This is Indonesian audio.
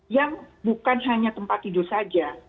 yang bukan hanya tempat tidur saja